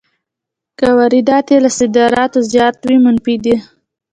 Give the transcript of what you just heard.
که واردات یې له صادراتو زیات وي منفي ده